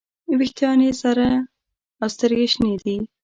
ویښتان یې سره او سترګې یې شنې دي.